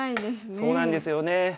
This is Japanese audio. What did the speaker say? そうなんですよね。